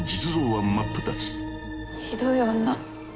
ひどい女。